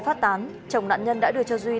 phát tán chồng nạn nhân đã đưa cho duy